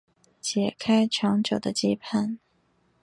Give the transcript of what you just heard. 解开长久的羁绊